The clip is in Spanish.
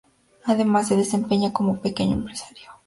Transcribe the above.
Además, se desempeña como pequeño empresario.